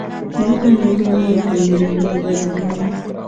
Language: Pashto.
ذهن له نوې تجربې وده کوي.